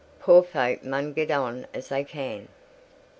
Poor folk mun get on as they can."